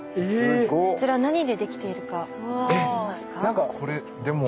こちら何でできているか分かりますか？